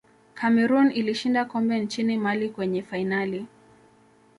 cameroon ilishinda kombe nchini mali kwenye fainali